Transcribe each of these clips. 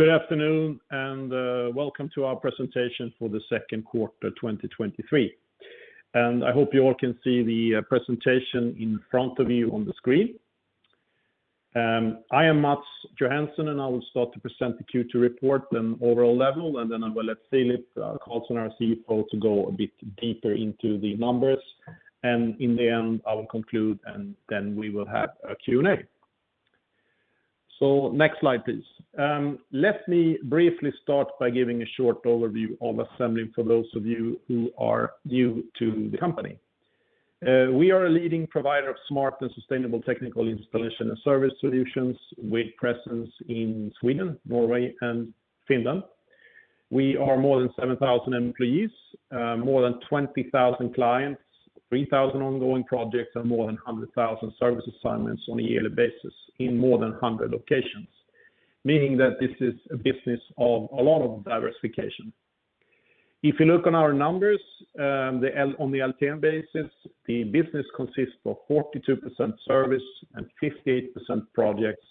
Good afternoon, and welcome to our presentation for the second quarter, 2023. I hope you all can see the presentation in front of you on the screen. I am Mats Johansson, and I will start to present the Q2 report and overall level, and then I will let Philip Carlsson, our CFO, to go a bit deeper into the numbers. In the end, I will conclude, and then we will have a Q&A. Next slide, please. Let me briefly start by giving a short overview of Assemblin for those of you who are new to the company. We are a leading provider of smart and sustainable technical installation and service solutions with presence in Sweden, Norway, and Finland. We are more than 7,000 employees, more than 20,000 clients, 3,000 ongoing projects, and more than 100,000 service assignments on a yearly basis in more than 100 locations, meaning that this is a business of a lot of diversification. If you look on our numbers, on the LTM basis, the business consists of 42% service and 58% projects,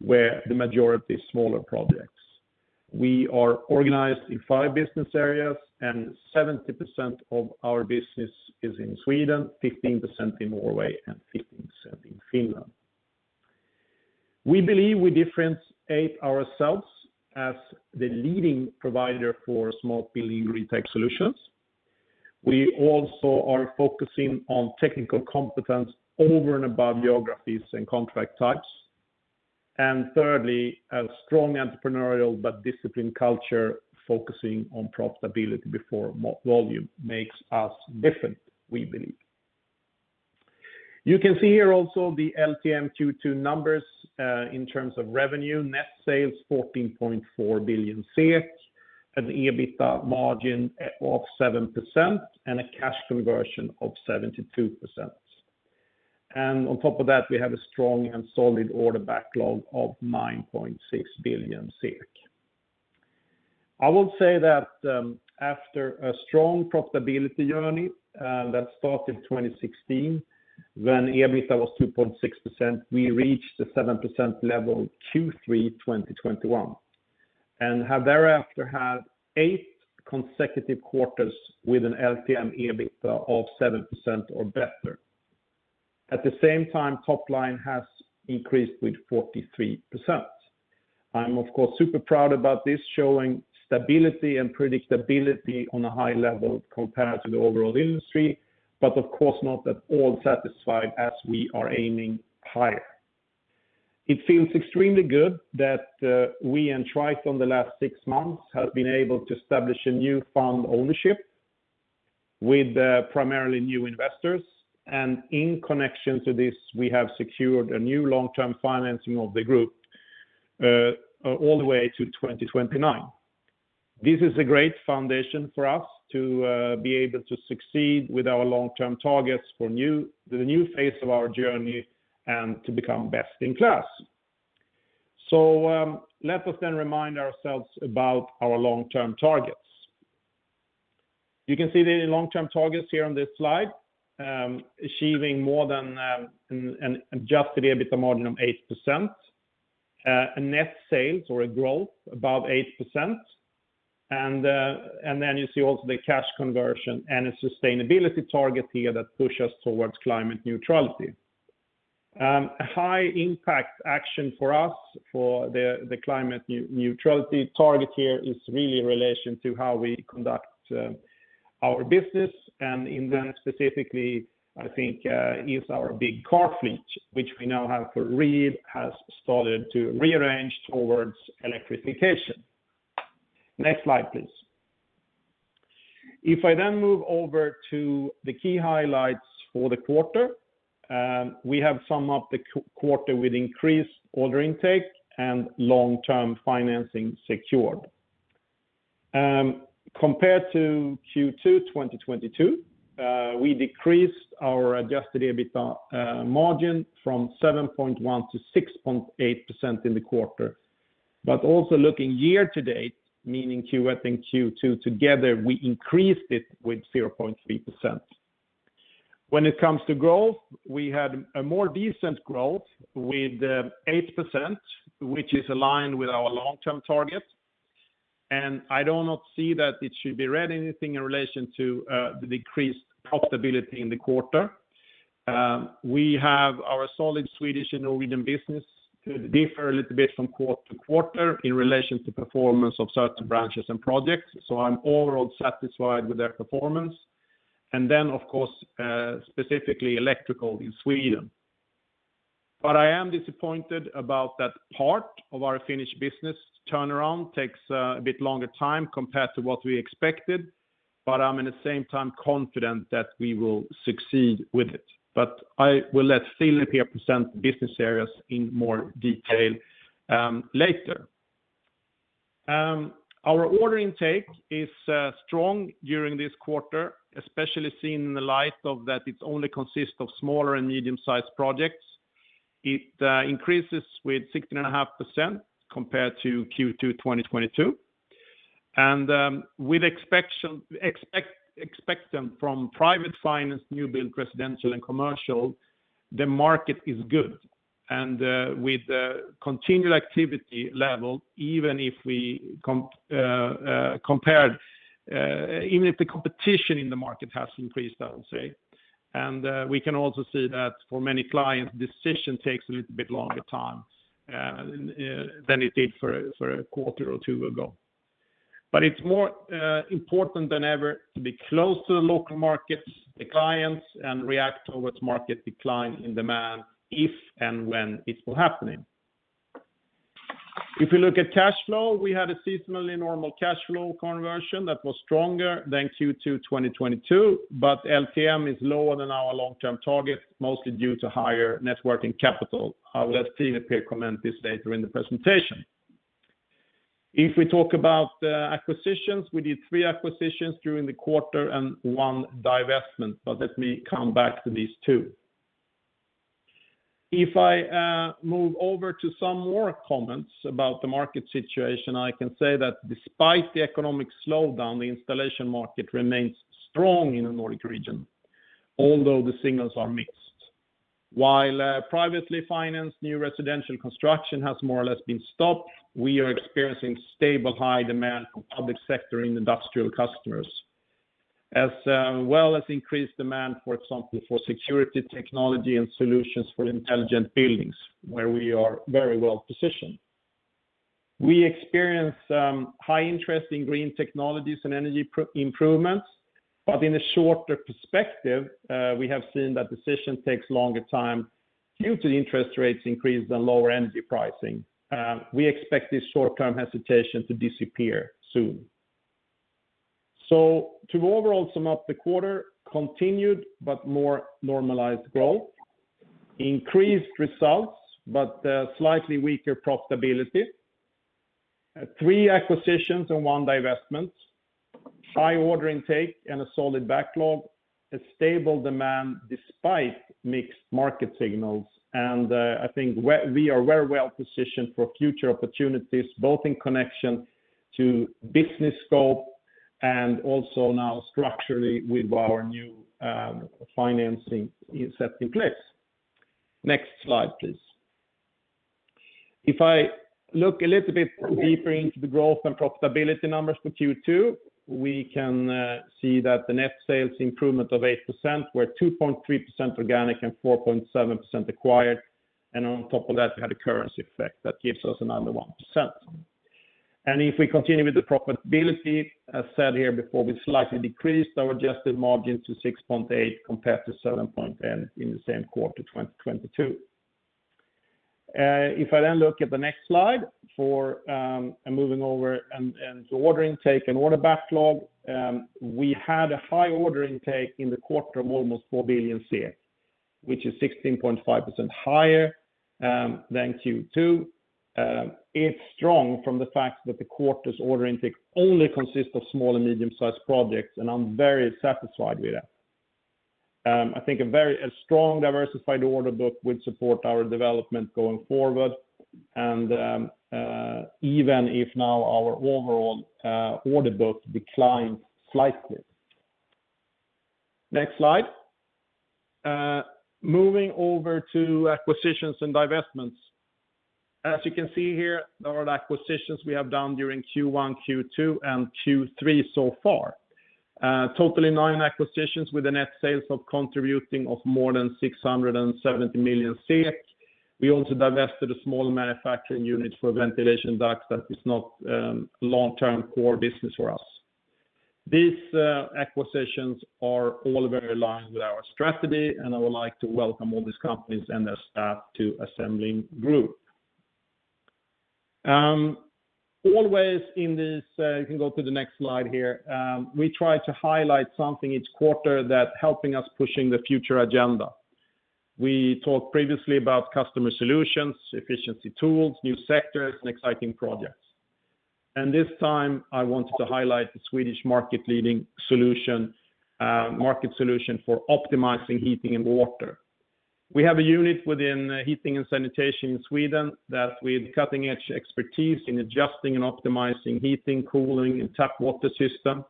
where the majority is smaller projects. We are organized in five business areas, and 70% of our business is in Sweden, 15% in Norway, and 15% in Finland. We believe we differentiate ourselves as the leading provider for smart building tech solutions. We also are focusing on technical competence over and above geographies and contract types. Thirdly, a strong entrepreneurial but disciplined culture, focusing on profitability before volume makes us different, we believe. You can see here also the LTM Q2 numbers in terms of revenue. Net sales, 14.4 billion, an EBITDA margin of 7%, and a cash conversion of 72%. On top of that, we have a strong and solid order backlog of 9.6 billion. I will say that, after a strong profitability journey that started in 2016, when EBITDA was 2.6%, we reached the 7% level Q3 2021, and have thereafter had eight consecutive quarters with an LTM EBITDA of 7% or better. At the same time, top line has increased with 43%. I'm of course, super proud about this, showing stability and predictability on a high level compared to the overall industry, but of course, not at all satisfied as we are aiming higher. It feels extremely good that we and Triton the last six months, have been able to establish a new fund ownership with primarily new investors, and in connection to this, we have secured a new long-term financing of the group all the way to 2029. This is a great foundation for us to be able to succeed with our long-term targets for the new phase of our journey and to become best in class. Let us remind ourselves about our long-term targets. You can see the long-term targets here on this slide, achieving more than an adjusted EBITDA margin of 8%, a net sales or a growth above 8%, and you see also the cash conversion and a sustainability target here that push us towards climate neutrality. A high impact action for us for the climate neutrality target here is really in relation to how we conduct our business, and in then, specifically, I think, is our big car fleet, which we now have for real, has started to rearrange towards electrification. Next slide, please. If I then move over to the key highlights for the quarter, we have sum up the quarter with increased order intake and long-term financing secured. Compared to Q2 2022, we decreased our adjusted EBITDA margin from 7.1% to 6.8% in the quarter. Also looking year to date, meaning Q1 and Q2 together, we increased it with 0.3%. When it comes to growth, we had a more decent growth with 8%, which is aligned with our long-term target, and I do not see that it should be read anything in relation to the decreased profitability in the quarter. We have our solid Swedish and Norwegian business could differ a little bit from quarter to quarter in relation to performance of certain branches and projects, so I'm overall satisfied with their performance. Of course, specifically electrical in Sweden. I am disappointed about that part of our Finnish business turnaround takes a bit longer time compared to what we expected, but I'm at the same time confident that we will succeed with it. I will let Philip here present business areas in more detail later. Our order intake is strong during this quarter, especially seeing the light of that it only consists of smaller and medium-sized projects. It increases with 16.5% compared to Q2 2022. With expectant from private finance, new build, residential, and commercial, the market is good. With continued activity level, even if we compared, even if the competition in the market has increased, I would say. We can also see that for many clients, decision takes a little bit longer time than it did for a, for a quarter or two ago. It's more important than ever to be close to the local markets, the clients, and react towards market decline in demand, if and when it will happening. If you look at cash flow, we had a seasonally normal cash flow conversion that was stronger than Q2 2022, but LTM is lower than our long-term target, mostly due to higher net working capital. Let's see if we comment this later in the presentation. If we talk about acquisitions, we did three acquisitions during the quarter and one divestment, but let me come back to these two. If I move over to some more comments about the market situation, I can say that despite the economic slowdown, the installation market remains strong in the Nordic region, although the signals are mixed. While privately financed new residential construction has more or less been stopped, we are experiencing stable high demand from public sector and industrial customers, as well as increased demand, for example, for security technology and solutions for intelligent buildings, where we are very well positioned. We experience high interest in green technologies and energy improvements, but in a shorter perspective, we have seen that decision takes longer time due to the interest rates increase than lower energy pricing. We expect this short-term hesitation to disappear soon. To overall sum up the quarter, continued but more normalized growth, increased results, but slightly weaker profitability, three acquisitions and one divestment, high order intake and a solid backlog, a stable demand despite mixed market signals. I think we are very well positioned for future opportunities, both in connection to business scope and also now structurally with our new financing set in place. Next slide, please. If I look a little bit deeper into the growth and profitability numbers for Q2, we can see that the net sales improvement of 8% were 2.3% organic and 4.7% acquired, and on top of that, we had a currency effect that gives us another 1%. If we continue with the profitability, as said here before, we slightly decreased our adjusted margin to 6.8% compared to 7.10% in the same quarter, 2022. If I then look at the next slide for moving over and the order intake and order backlog, we had a high order intake in the quarter of almost 4 billion, which is 16.5% higher than Q2. It's strong from the fact that the quarter's order intake only consists of small and medium-sized projects, and I'm very satisfied with that. I think a very strong diversified order book would support our development going forward, even if now our overall order book declines slightly. Next slide. Moving over to acquisitions and divestments. As you can see here, there are acquisitions we have done during Q1, Q2, and Q3 so far. Totally nine acquisitions with a net sales of contributing of more than 670 million SEK. We also divested a small manufacturing unit for ventilation ducts that is not long-term core business for us. These acquisitions are all very aligned with our strategy, and I would like to welcome all these companies and their staff to Assemblin Group. Always in this, you can go to the next slide here. We try to highlight something each quarter that helping us pushing the future agenda. We talked previously about customer solutions, efficiency tools, new sectors, and exciting projects. This time, I wanted to highlight the Swedish market solution for optimizing heating and water. We have a unit within heating and sanitation in Sweden that with cutting-edge expertise in adjusting and optimizing heating, cooling, and tap water system,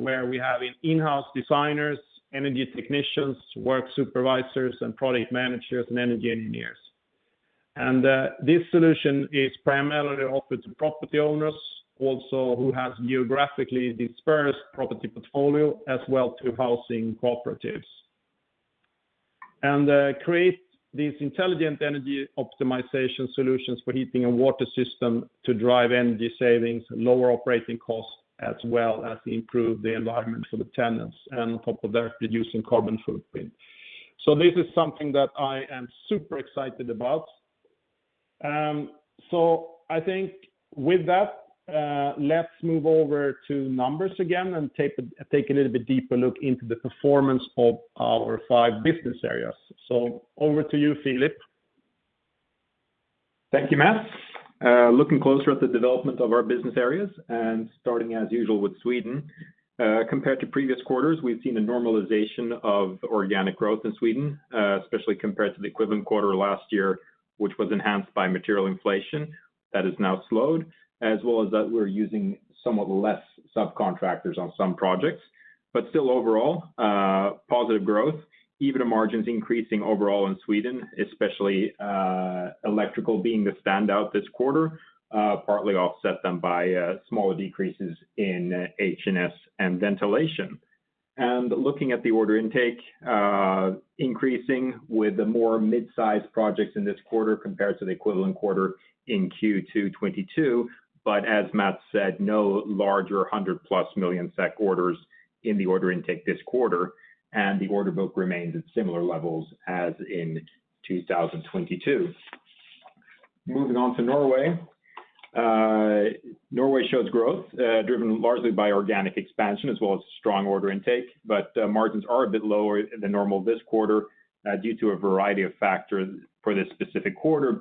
where we have in-house designers, energy technicians, work supervisors, product managers, and energy engineers. This solution is primarily offered to property owners, also who has geographically dispersed property portfolio, as well to housing cooperatives. Create these intelligent energy optimization solutions for heating a water system to drive energy savings, lower operating costs, as well as improve the environment for the tenants, and on top of that, reducing carbon footprint. This is something that I am super excited about. I think with that, let's move over to numbers again and take a little bit deeper look into the performance of our five business areas. Over to you, Philip. Thank you, Mats. Looking closer at the development of our business areas, starting as usual with Sweden. Compared to previous quarters, we've seen a normalization of organic growth in Sweden, especially compared to the equivalent quarter last year, which was enhanced by material inflation that has now slowed, as well as that we're using somewhat less subcontractors on some projects. Still overall, positive growth, even the margins increasing overall in Sweden, especially electrical being the standout this quarter, partly offset by smaller decreases in HNS and ventilation. Looking at the order intake, increasing with the more mid-sized projects in this quarter compared to the equivalent quarter in Q2 2022. As Mats said, no larger 100+ million SEK orders in the order intake this quarter, and the order book remains at similar levels as in 2022. Moving on to Norway. Norway shows growth, driven largely by organic expansion as well as strong order intake, but margins are a bit lower than normal this quarter, due to a variety of factors for this specific quarter,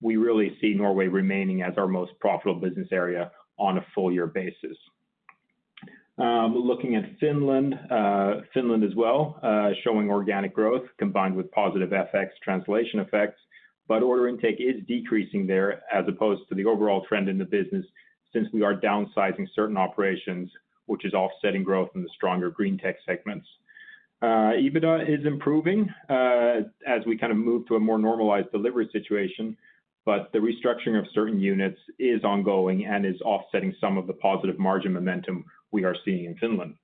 but we really see Norway remaining as our most profitable business area on a full year basis. Looking at Finland as well, showing organic growth combined with positive FX translation effects, but order intake is decreasing there as opposed to the overall trend in the business, since we are downsizing certain operations, which is offsetting growth in the stronger green tech segments. EBITDA is improving as we kind of move to a more normalized delivery situation. The restructuring of certain units is ongoing and is offsetting some of the positive margin momentum we are seeing in Finland.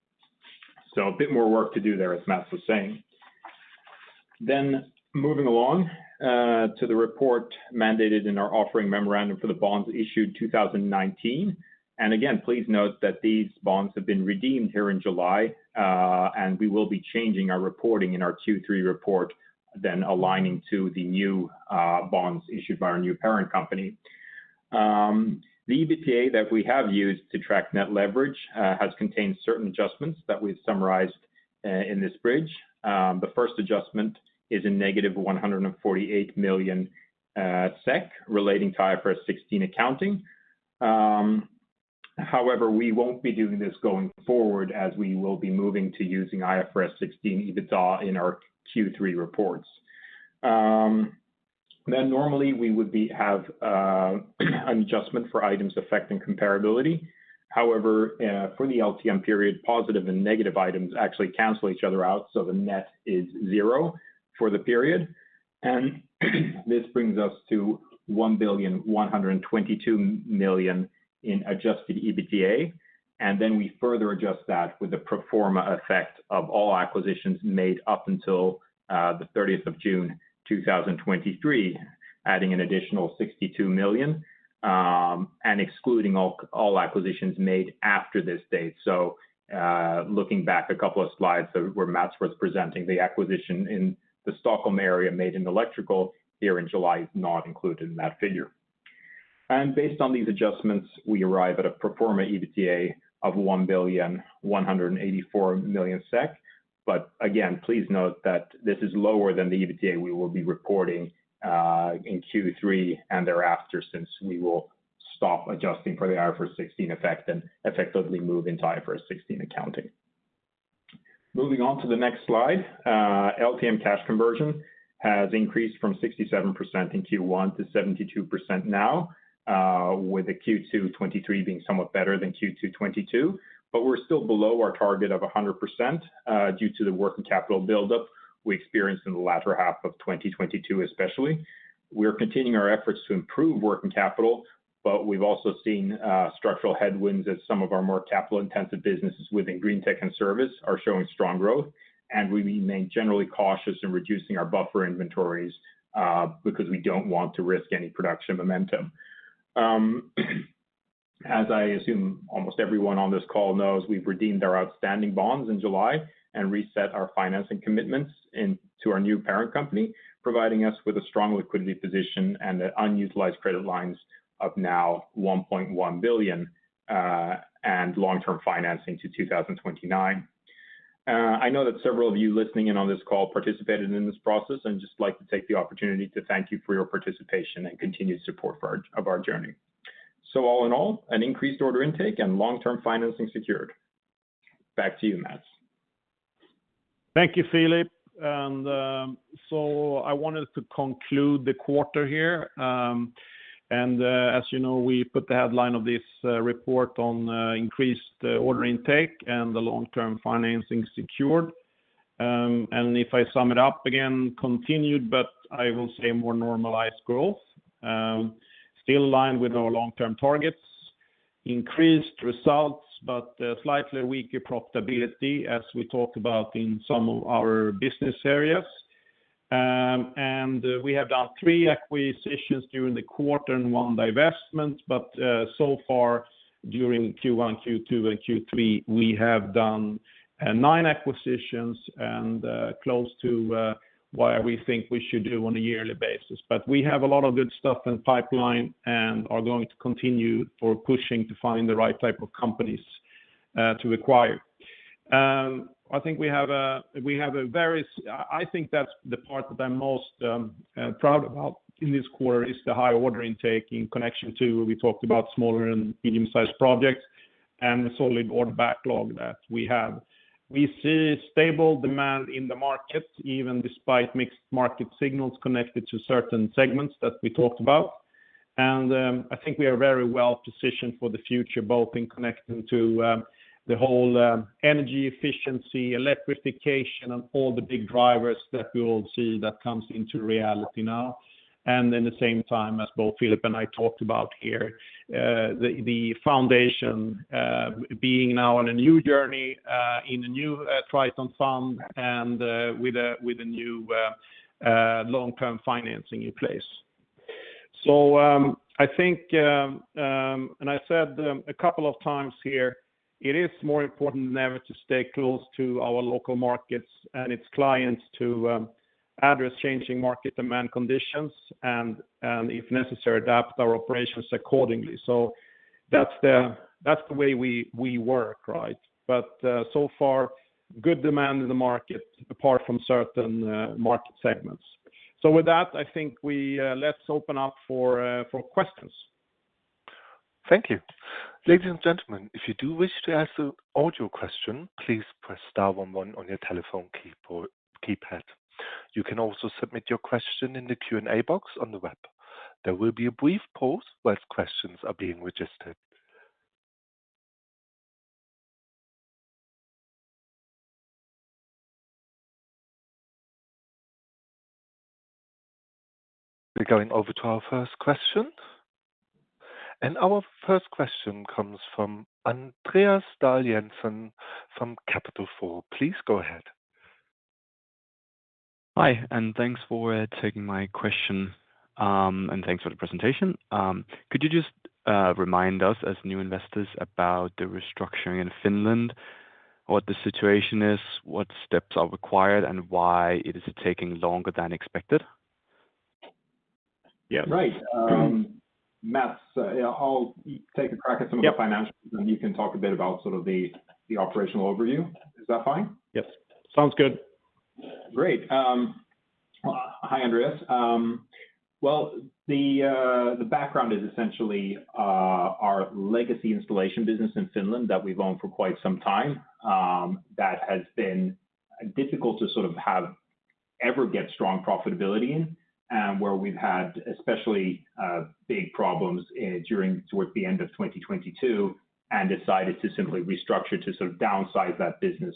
A bit more work to do there, as Mats was saying. Moving along to the report mandated in our offering memorandum for the bonds issued 2019. Again, please note that these bonds have been redeemed here in July. We will be changing our reporting in our Q3 report, aligning to the new bonds issued by our new parent company. The EBITDA that we have used to track net leverage has contained certain adjustments that we've summarized in this bridge. The first adjustment is a negative 148 million SEK, relating to IFRS 16 accounting. However, we won't be doing this going forward, as we will be moving to using IFRS 16 EBITDA in our Q3 reports. Normally we would have an adjustment for items affecting comparability. However, for the LTM period, positive and negative items actually cancel each other out, so the net is zero for the period. This brings us to 1.122 billion in adjusted EBITDA, and then we further adjust that with the pro forma effect of all acquisitions made up until the 30th of June 2023, adding an additional 62 million, and excluding all acquisitions made after this date. Looking back a couple of slides, where Mats was presenting the acquisition in the Stockholm area, made in electrical here in July, is not included in that figure. Based on these adjustments, we arrive at a pro forma EBITDA of 1,184 million SEK. Again, please note that this is lower than the EBITDA we will be reporting in Q3 and thereafter, since we will stop adjusting for the IFRS 16 effect and effectively move into IFRS 16 accounting. Moving on to the next slide, LTM cash conversion has increased from 67% in Q1 to 72% now, with the Q2 2023 being somewhat better than Q2 2022. We're still below our target of 100%, due to the working capital buildup we experienced in the latter half of 2022, especially. We're continuing our efforts to improve working capital, but we've also seen structural headwinds as some of our more capital-intensive businesses within green tech and service are showing strong growth, and we remain generally cautious in reducing our buffer inventories because we don't want to risk any production momentum. As I assume almost everyone on this call knows, we've redeemed our outstanding bonds in July and reset our financing commitments to our new parent company, providing us with a strong liquidity position and an unutilized credit lines of now 1.1 billion and long-term financing to 2029. I know that several of you listening in on this call participated in this process, and I'd just like to take the opportunity to thank you for your participation and continued support of our journey. All in all, an increased order intake and long-term financing secured. Back to you, Mats. Thank you, Philip. I wanted to conclude the quarter here. As you know, we put the headline of this report on increased order intake and the long-term financing secured. If I sum it up again, continued, but I will say more normalized growth, still in line with our long-term targets. Increased results, but a slightly weaker profitability, as we talked about in some of our business areas. We have done three acquisitions during the quarter and one divestment, but so far during Q1, Q2, and Q3, we have done nine acquisitions and close to what we think we should do on a yearly basis. We have a lot of good stuff in the pipeline and are going to continue for pushing to find the right type of companies. To acquire. I think that's the part that I'm most proud about in this quarter, is the high order intake in connection to we talked about smaller and medium-sized projects, and the solid order backlog that we have. We see stable demand in the market, even despite mixed market signals connected to certain segments that we talked about. I think we are very well positioned for the future, both in connecting to, the whole, energy efficiency, electrification, and all the big drivers that we will see that comes into reality now. At the same time, as both Philip and I talked about here, the foundation, being now on a new journey, in a new Triton fund and, with a new, long-term financing in place. I think, and I said a couple of times here, it is more important than ever to stay close to our local markets and its clients to address changing market demand conditions and, if necessary, adapt our operations accordingly. That's the way we work, right? So far, good demand in the market, apart from certain market segments. With that, I think we. Let's open up for questions. Thank you. Ladies and gentlemen, if you do wish to ask an audio question, please press star 11 on your telephone keypad. You can also submit your question in the Q&A box on the web. There will be a brief pause while questions are being registered. We're going over to our first question. Our first question comes from Andreas Dahl Jensen from Capital Four. Please go ahead. Hi, and thanks for taking my question, and thanks for the presentation. Could you just remind us as new investors about the restructuring in Finland, what the situation is, what steps are required, and why it is taking longer than expected? Yes. Right. Mats, I'll take a crack at some of the financials. Yep You can talk a bit about sort of the operational overview. Is that fine? Yes. Sounds good. Great. Hi, Andreas. Well, the background is essentially our legacy installation business in Finland that we've owned for quite some time, that has been difficult to sort of have ever get strong profitability in, and where we've had especially big problems during towards the end of 2022, and decided to simply restructure to sort of downsize that business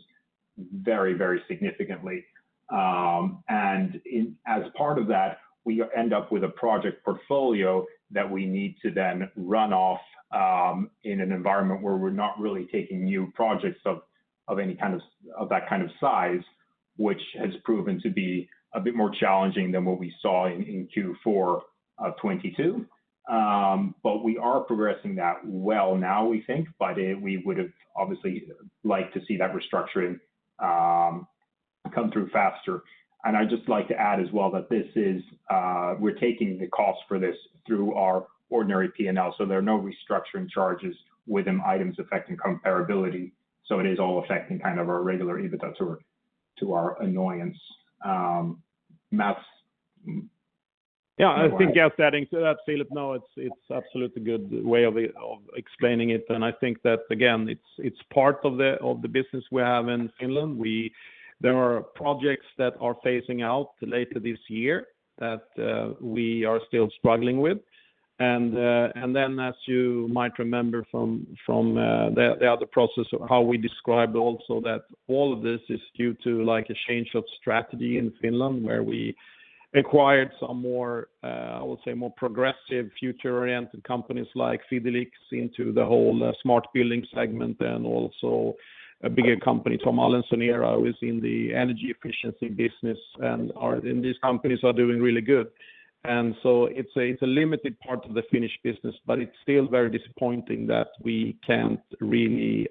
very, very significantly. In, as part of that, we end up with a project portfolio that we need to then run off, in an environment where we're not really taking new projects of any kind of that kind of size, which has proven to be a bit more challenging than what we saw in Q4 of 2022. We are progressing that well now, we think, but we would have obviously liked to see that restructuring, come through faster. I'd just like to add as well, that this is, we're taking the cost for this through our ordinary P&L, so there are no restructuring charges within items affecting comparability. So it is all affecting kind of our regular EBITDA, to our annoyance. Mats? Yeah, I think just adding to that, Philip, no, it's absolutely a good way of explaining it. I think that, again, it's part of the, of the business we have in Finland. There are projects that are phasing out later this year that we are still struggling with. As you might remember from the other process of how we described also that all of this is due to, like, a change of strategy in Finland, where we acquired some more, I would say, more progressive, future-oriented companies like Fidelix into the whole smart building segment, and also a bigger company, Tom Allen Senera, who is in the energy efficiency business, and these companies are doing really good. It's a limited part of the Finnish business, but it's still very disappointing that we can't really,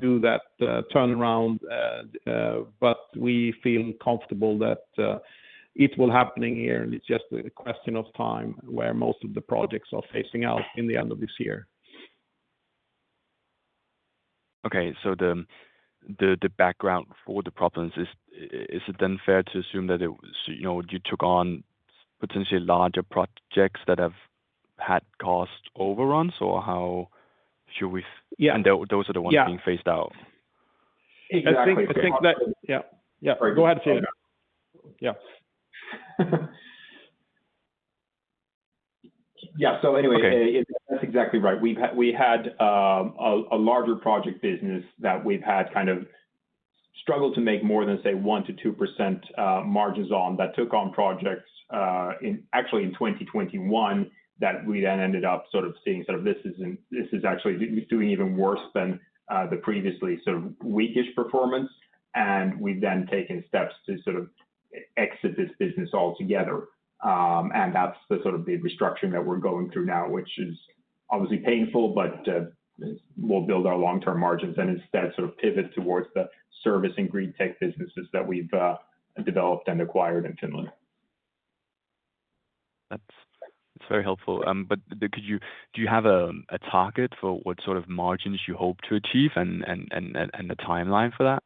do that, turnaround. We feel comfortable that it will happening here, and it's just a question of time, where most of the projects are phasing out in the end of this year. Okay. The background for the problems is it then fair to assume that it, you know, you took on potentially larger projects that have had cost overruns, or how should we? Yeah. Those are the ones being phased out? Exactly. I think that. Yeah. Go ahead, Philip. Yeah. Yeah. Okay that's exactly right. We had a larger project business that we've had kind of struggled to make more than, say, 1%-2% margins on, that took on projects in actually in 2021, that we then ended up sort of seeing sort of this isn't this is actually doing even worse than the previously sort of weak-ish performance. We've then taken steps to sort of exit this business altogether. That's the sort of the restructuring that we're going through now, which is obviously painful, but will build our long-term margins, and instead sort of pivot towards the service and green tech businesses that we've developed and acquired in Finland. That's very helpful. Do you have a target for what sort of margins you hope to achieve and the timeline for that?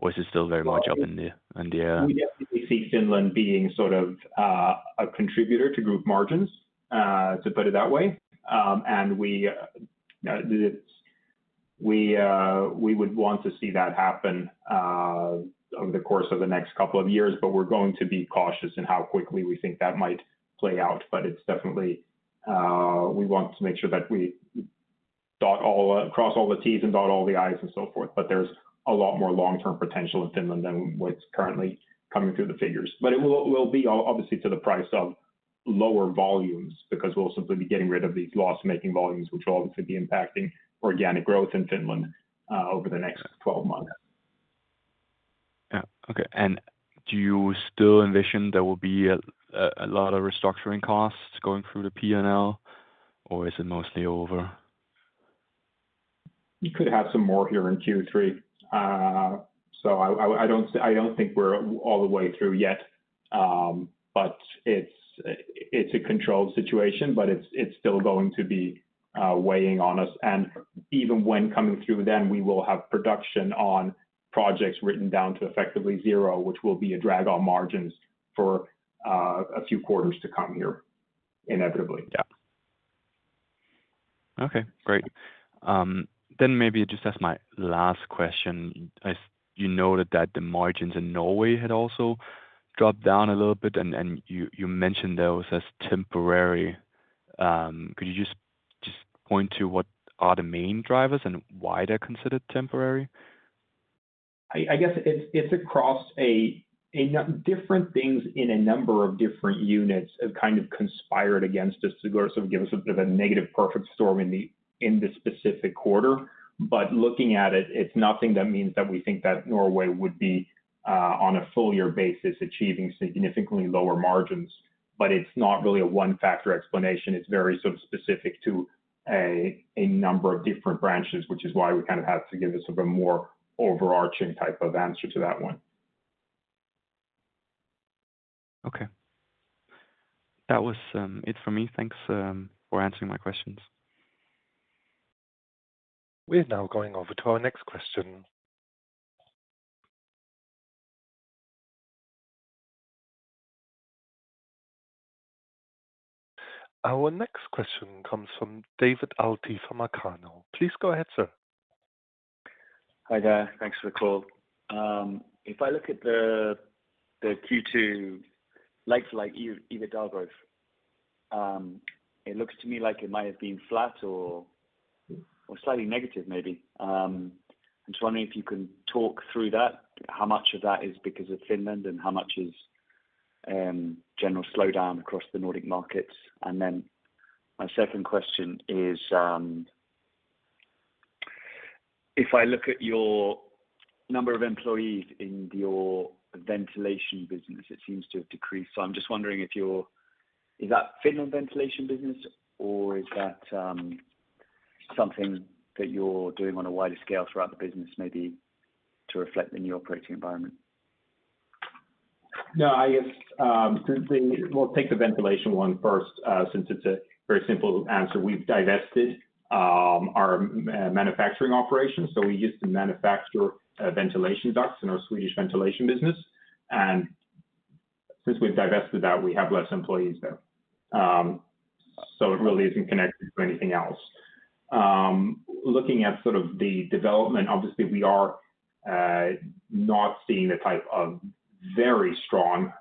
Or is it still very much up in the air? We definitely see Finland being sort of, a contributor to group margins, to put it that way. We would want to see that happen over the course of the next couple of years, but we're going to be cautious in how quickly we think that might play out, but it's definitely, we want to make sure that we dot all, cross all the T's and dot all the I's and so forth. There's a lot more long-term potential in Finland than what's currently coming through the figures. It will be obviously to the price of lower volumes, because we'll simply be getting rid of these loss-making volumes, which will obviously be impacting organic growth in Finland over the next 12 months. Yeah. Okay. Do you still envision there will be a lot of restructuring costs going through the P&L, or is it mostly over? You could have some more here in Q3. I don't think we're all the way through yet. It's a controlled situation, but it's still going to be weighing on us. Even when coming through, then we will have production on projects written down to effectively zero, which will be a drag on margins for a few quarters to come here, inevitably. Yeah. Okay, great. Maybe just as my last question, as you noted that the margins in Norway had also dropped down a little bit, and you mentioned those as temporary. Could you just point to what are the main drivers and why they're considered temporary? I guess it's across a different things in a number of different units have kind of conspired against us to give us a bit of a negative perfect storm in this specific quarter. Looking at it's nothing that means that we think that Norway would be on a full year basis, achieving significantly lower margins. It's not really a one factor explanation, it's very sort of specific to a number of different branches, which is why we kind of had to give a sort of a more overarching type of answer to that one. Okay. That was it for me. Thanks for answering my questions. We're now going over to our next question. Our next question comes from David Alty from Arcano. Please go ahead, sir. Hi there. Thanks for the call. If I look at the Q2 like for like EBITA growth, it looks to me like it might have been flat or slightly negative, maybe. I'm just wondering if you can talk through that, how much of that is because of Finland, how much is general slowdown across the Nordic markets? My second question is, if I look at your number of employees in your ventilation business, it seems to have decreased. I'm just wondering is that Finland ventilation business, or is that something that you're doing on a wider scale throughout the business, maybe to reflect the new operating environment? I guess, We'll take the ventilation one first, since it's a very simple answer. We've divested our manufacturing operations, so we used to manufacture ventilation ducts in our Swedish ventilation business, and since we've divested that, we have less employees there. It really isn't connected to anything else. Looking at sort of the development, obviously, we are not seeing the type of very strong,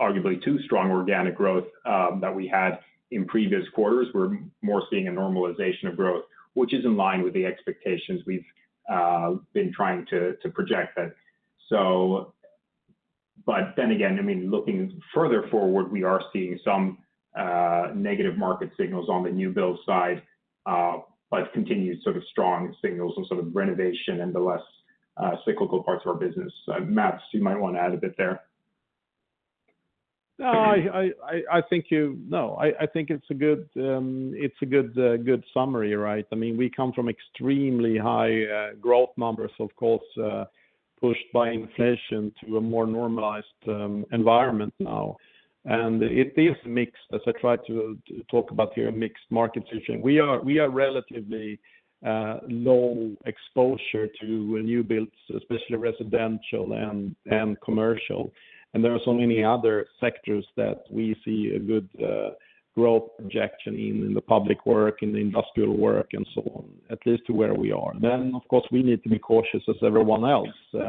arguably too strong organic growth that we had in previous quarters. We're more seeing a normalization of growth, which is in line with the expectations we've been trying to project that. Again, I mean, looking further forward, we are seeing some negative market signals on the new build side, but continued sort of strong signals on sort of renovation and the less cyclical parts of our business. Mats, you might want to add a bit there. No, I think it's a good summary, right? I mean, we come from extremely high growth numbers, of course, pushed by inflation to a more normalized environment now. It is mixed, as I tried to talk about here, a mixed market situation. We are relatively low exposure to new builds, especially residential and commercial. There are so many other sectors that we see a good growth projection in the public work, in the industrial work, and so on, at least to where we are. Of course, we need to be cautious as everyone else.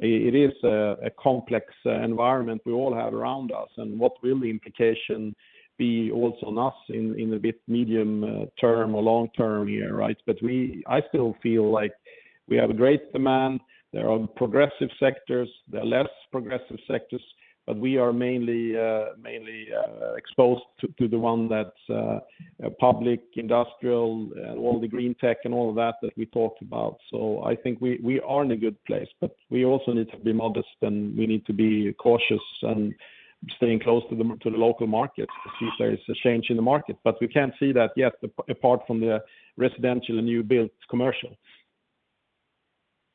It is a complex environment we all have around us. What will the implication be also on us in the mid, medium term or long term here, right? I still feel like we have a great demand. There are progressive sectors, there are less progressive sectors, but we are mainly exposed to the one that public, industrial, all the green tech and all of that we talked about. I think we are in a good place, but we also need to be modest, and we need to be cautious and staying close to the local market to see if there is a change in the market. We can't see that yet, apart from the residential and new builds commercial.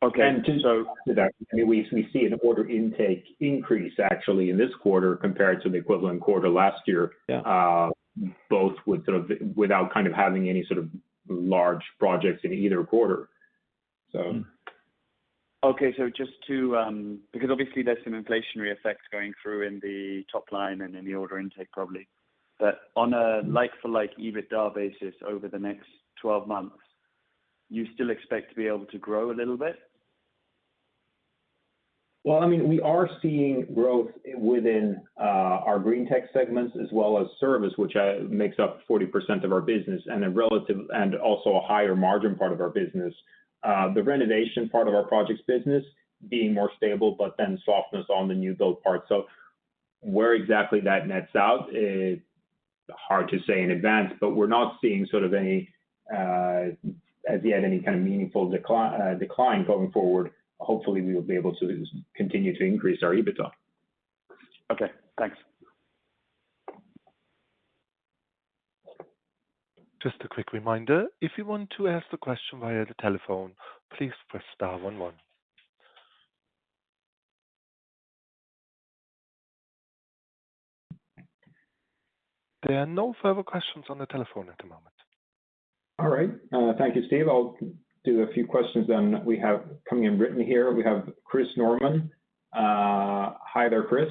Okay, to that, we see an order intake increase actually in this quarter compared to the equivalent quarter last year. Yeah. both without kind of having any sort of large projects in either quarter. Just to, because obviously there's some inflationary effects going through in the top line and in the order intake, probably. On a like-for-like EBITDA basis over the next 12 months, you still expect to be able to grow a little bit? I mean, we are seeing growth within our green tech segments as well as service, which makes up 40% of our business, and also a higher margin part of our business. The renovation part of our projects business being more stable, but then softness on the new build part. Where exactly that nets out is hard to say in advance, but we're not seeing sort of any, as yet, any kind of meaningful decline going forward. Hopefully, we will be able to continue to increase our EBITDA. Okay, thanks. Just a quick reminder, if you want to ask the question via the telephone, please press star one one. There are no further questions on the telephone at the moment. All right. Thank you, Steve. I'll do a few questions then we have coming in written here. We have Chris Norman. Hi there, Chris.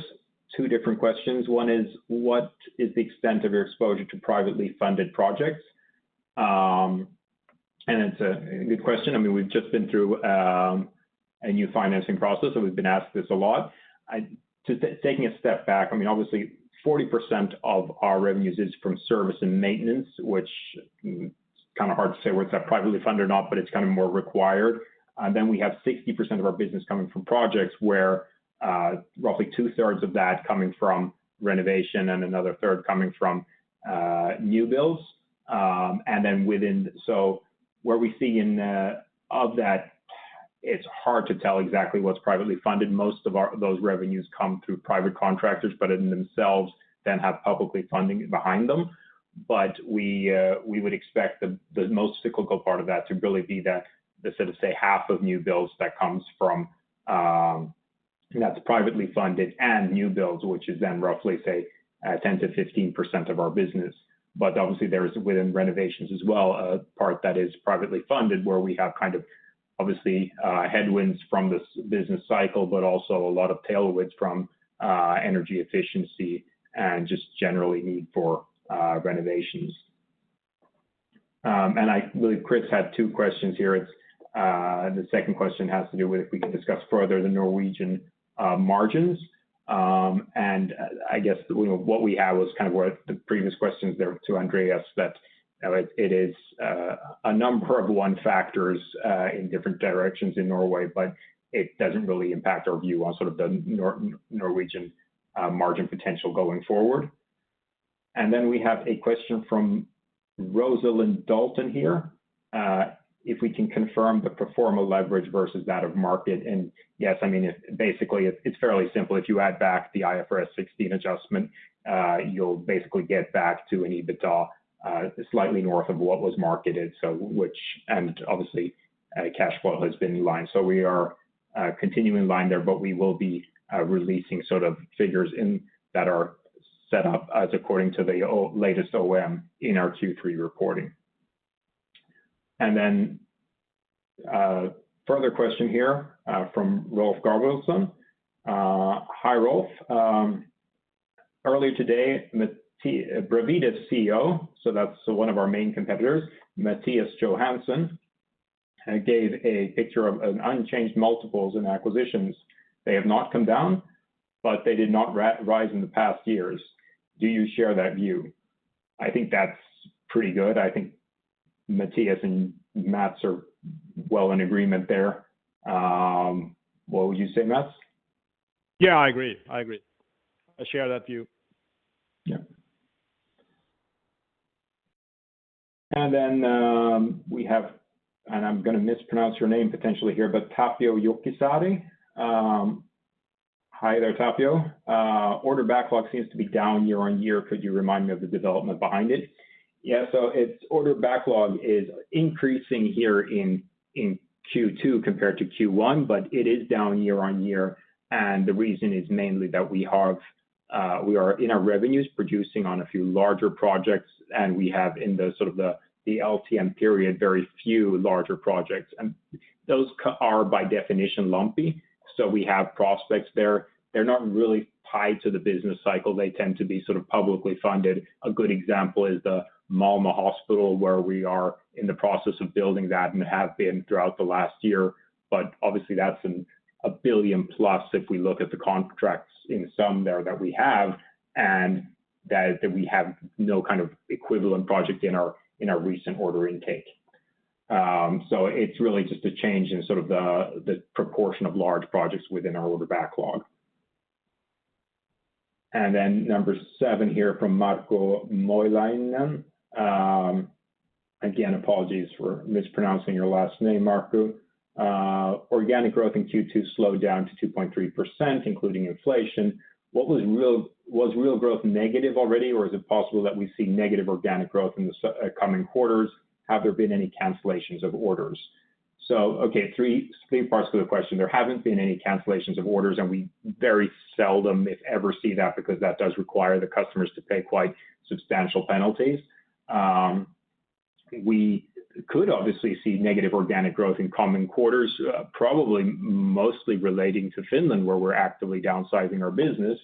Two different questions. One is, what is the extent of your exposure to privately funded projects? It's a good question. I mean, we've just been through a new financing process, so we've been asked this a lot. Just taking a step back, I mean, obviously, 40% of our revenues is from service and maintenance, which is kinda hard to say whether it's privately funded or not, but it's kinda more required. Then we have 60% of our business coming from projects where roughly two-thirds of that coming from renovation and another third coming from new builds. Then within... Where we see in of that, it's hard to tell exactly what's privately funded. Most of those revenues come through private contractors, but in themselves, then have publicly funding behind them. We would expect the most cyclical part of that to really be the sort of, say, half of new builds that comes from that's privately funded and new builds, which is then roughly, say, 10%-15% of our business. Obviously, there is within renovations as well, a part that is privately funded, where we have kind of obviously, headwinds from this business cycle, but also a lot of tailwinds from energy efficiency and just generally need for renovations. I believe Chris had two questions here. It's the second question has to do with if we can discuss further the Norwegian margins. I guess, you know, what we have was kind of what the previous questions there to Andreas, that it is a number of one factors in different directions in Norway, but it doesn't really impact our view on sort of the Norwegian margin potential going forward. Then we have a question from Rosalind Dalton here. If we can confirm the pro forma leverage versus that of market. Yes, I mean, basically, it's fairly simple. If you add back the IFRS 16 adjustment, you'll basically get back to an EBITDA slightly north of what was marketed, so which. Obviously, cash flow has been in line. We are continuing in line there, but we will be releasing sort of figures that are set up as according to the latest OM in our two-three reporting. Further question here from Rolf Garvilson. Hi, Rolf. Earlier today, Bravida's CEO, so that's one of our main competitors, Mattias Johansson, gave a picture of an unchanged multiples in acquisitions. They have not come down, but they did not rise in the past years. Do you share that view? I think that's pretty good. I think Mattias and Mats are well in agreement there. What would you say, Mats? Yeah, I agree. I agree. I share that view. Yeah. We have, and I'm gonna mispronounce your name potentially here, but Tapio Jokisaari. Hi there, Tapio. Order backlog seems to be down year-on-year. Could you remind me of the development behind it? Yeah, its order backlog is increasing here in Q2 compared to Q1, but it is down year-on-year, and the reason is mainly that we have, we are in our revenues, producing on a few larger projects, and we have in the sort of the LTM period, very few larger projects. Those are, by definition, lumpy, so we have prospects there. They're not really tied to the business cycle. They tend to be sort of publicly funded. A good example is the Malmö Hospital, where we are in the process of building that and have been throughout the last year. Obviously, that's in 1 billion+ if we look at the contracts in some there that we have, and that we have no kind of equivalent project in our, in our recent order intake. It's really just a change in sort of the proportion of large projects within our order backlog. Number seven here from Marko Moilanen. Again, apologies for mispronouncing your last name, Marko. Organic growth in Q2 slowed down to 2.3%, including inflation. What was real growth negative already, or is it possible that we see negative organic growth in the coming quarters? Have there been any cancellations of orders? Okay, three parts to the question. There haven't been any cancellations of orders, and we very seldom, if ever, see that, because that does require the customers to pay quite substantial penalties. We could obviously see negative organic growth in coming quarters, probably mostly relating to Finland, where we're actively downsizing our business.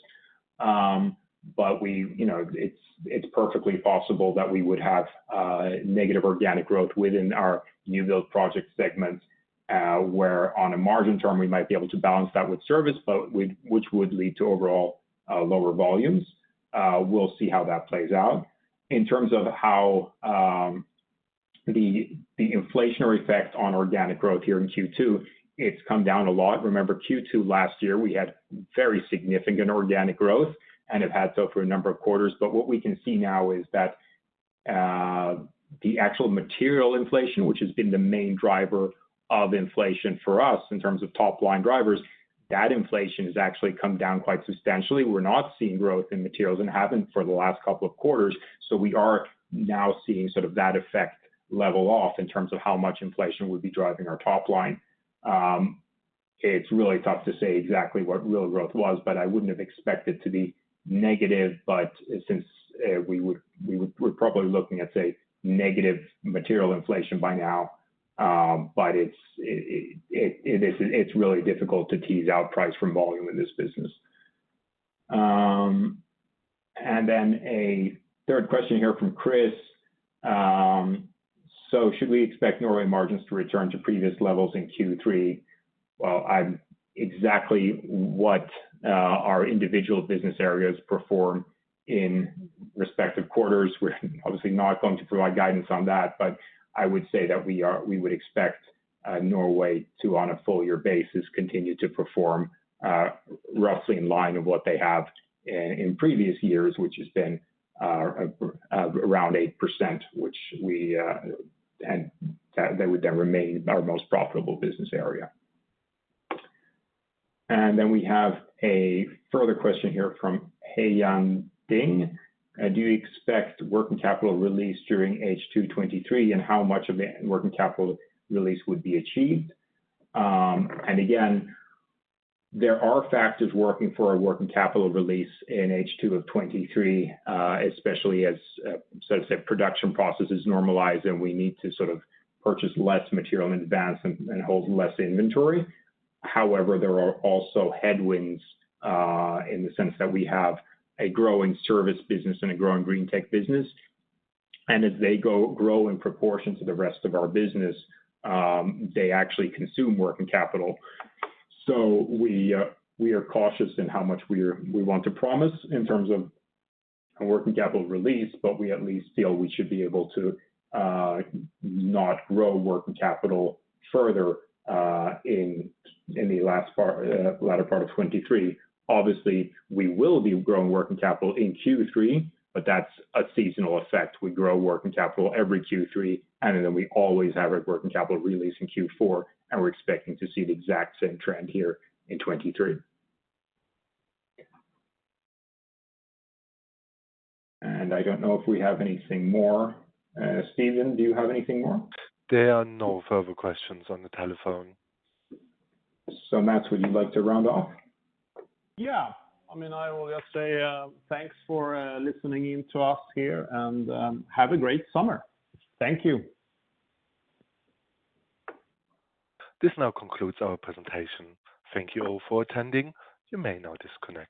But we, you know, it's perfectly possible that we would have negative organic growth within our new build project segment, where on a margin term, we might be able to balance that with service, which would lead to overall lower volumes. We'll see how that plays out. In terms of how the inflationary effect on organic growth here in Q2, it's come down a lot. Remember, Q2 last year, we had very significant organic growth, and it had so for a number of quarters. What we can see now is that the actual material inflation, which has been the main driver of inflation for us in terms of top-line drivers, that inflation has actually come down quite substantially. We're not seeing growth in materials and haven't for the last couple of quarters, so we are now seeing sort of that effect level off in terms of how much inflation would be driving our top line. It's really tough to say exactly what real growth was, but I wouldn't have expected it to be negative. Since we're probably looking at, say, negative material inflation by now, but it's really difficult to tease out price from volume in this business. A third question here from Chris. So should we expect Norway margins to return to previous levels in Q3?" Well, exactly what our individual business areas perform in respective quarters, we're obviously not going to provide guidance on that. I would say that we would expect Norway to, on a full year basis, continue to perform roughly in line of what they have in previous years, which has been around 8%, which we, and that would then remain our most profitable business area. We have a further question here from Hai Yong Ding: "Do you expect working capital release during H2 '23, and how much of the working capital release would be achieved?" Again, there are factors working for a working capital release in H2 of '23, especially as, so to say, production processes normalize and we need to sort of purchase less material in advance and hold less inventory. However, there are also headwinds, in the sense that we have a growing service business and a growing green tech business, and as they grow in proportion to the rest of our business, they actually consume working capital. We are cautious in how much we want to promise in terms of working capital release, but we at least feel we should be able to not grow working capital further in the last part, latter part of 2023. Obviously, we will be growing working capital in Q3, but that's a seasonal effect. We grow working capital every Q3, then we always have a working capital release in Q4, and we're expecting to see the exact same trend here in 2023. I don't know if we have anything more. Steven, do you have anything more? There are no further questions on the telephone. Mats, would you like to round off? I mean, I will just say, thanks for listening in to us here, and have a great summer. Thank you. This now concludes our presentation. Thank you all for attending. You may now disconnect.